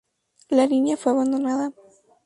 La línea fue abandonada.